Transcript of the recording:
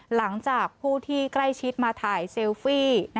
หลังจากผู้ที่ใกล้ชิดมาถ่ายเซลฟี่